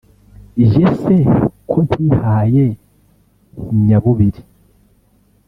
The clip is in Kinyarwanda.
jye se ko ntihaye nyabubiri